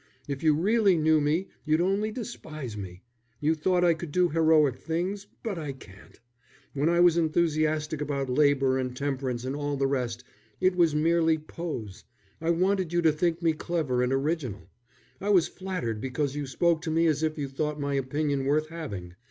If you really knew me, you'd only despise me. You thought I could do heroic things, but I can't. When I was enthusiastic about labour and temperance and all the rest, it was merely pose. I wanted you to think me clever and original. I was flattered because you spoke to me as if you thought my opinion worth having.